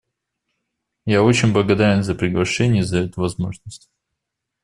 Я очень благодарен за приглашение и за эту возможность.